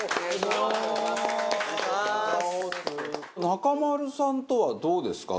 中丸さんとはどうですか？